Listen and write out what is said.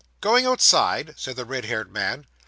'Going outside?' said the red haired man.